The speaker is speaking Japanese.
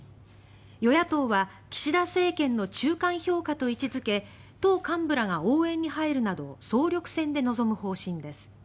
与野党は岸田政権の中間評価と位置付け党幹部らが応援に入るなど総力戦で臨む方針です。